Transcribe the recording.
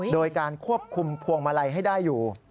โดยการควบคุมพวงมาลัยให้ได้อยู่